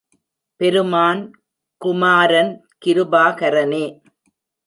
பெருமான் குமாரன் கிருபாகரனே!